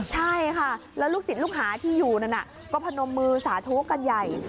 ใช่ค่ะแล้วลูกศิษย์ลูกหาที่อยู่นั่นก็พนมมือสาธุกันใหญ่